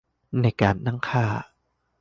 ใน การตั้งค่า